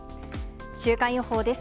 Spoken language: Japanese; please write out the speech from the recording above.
週間予報です。